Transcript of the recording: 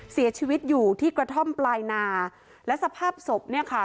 เสียชีวิตอยู่ที่กระท่อมปลายนาและสภาพศพเนี่ยค่ะ